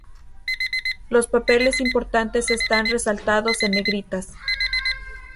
Los papeles importantes están resaltados en negrita.